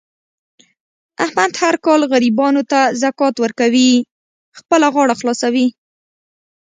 احمد هر کال غریبانو ته زکات ورکوي. خپله غاړه خلاصوي.